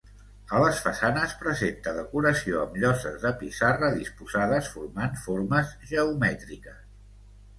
A les façanes presenta decoració amb lloses de pissarra disposades formant formes geomètriques.